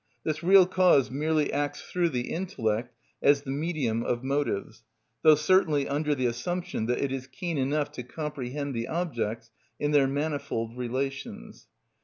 This real cause merely acts through the intellect as the medium of motives, though certainly under the assumption that it is keen enough to comprehend the objects in their manifold relations.